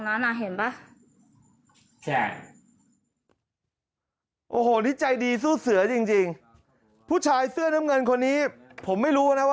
มาเมื่อเมื่อกี่แล้ว